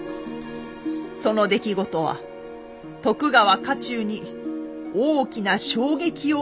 その出来事は徳川家中に大きな衝撃を与えました。